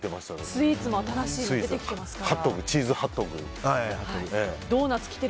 スイーツも新しいのが出てきてますね。